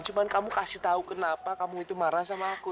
cuma kamu kasih tahu kenapa kamu itu marah sama aku